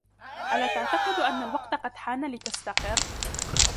ألا تعتقد أن الوقت قد حان لتستقر؟